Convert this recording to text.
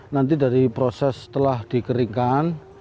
nanti dari proses telah dikeringkan